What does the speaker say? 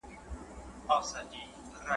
خو هرګوره د انسان دغه آیین دی ,